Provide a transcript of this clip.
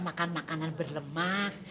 makan makanan berlemak